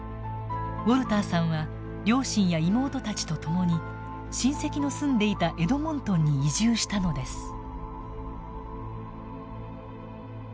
ウォルターさんは両親や妹たちと共に親戚の住んでいたエドモントンに移住したのです。